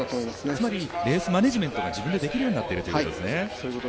つまりレースマネージメントが自分でできるようになっているということですね。